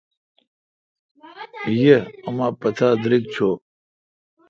یہ اما می پتا دریگ چو۔